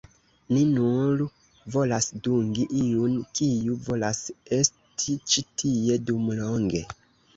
Ni nur volas dungi iun, kiu volas esti ĉi tie dum longe.